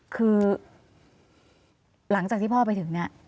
คือหลังจากที่พ่อไปถึงเนี่ย